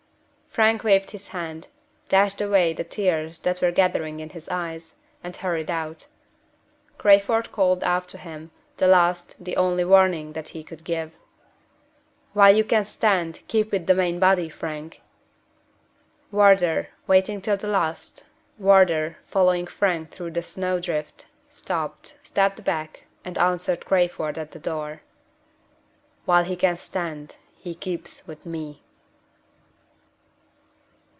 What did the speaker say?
Frank waved his hand dashed away the tears that were gathering in his eyes and hurried out. Crayford called after him, the last, the only warning that he could give: "While you can stand, keep with the main body, Frank!" Wardour, waiting till the last Wardour, following Frank through the snow drift stopped, stepped back, and answered Crayford at the door: "While he can stand, he keeps with Me."